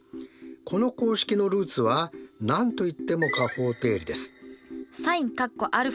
この公式のルーツは何と言っても加法定理です。